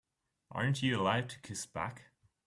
Aren't you allowed to kiss back?